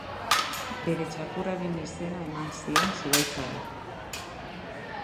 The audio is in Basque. Bere txakurraren izena eman zion zuhaitzari.